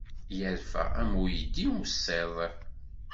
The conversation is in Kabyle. Yerfa am uydi ussiḍ.